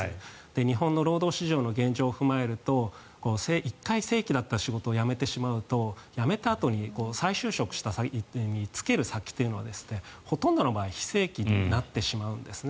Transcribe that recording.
日本の労働市場の現状を踏まえると１回、正規の仕事を辞めてしまうと辞めたあとに再就職で就ける先はほとんどの場合非正規になってしまうんですね。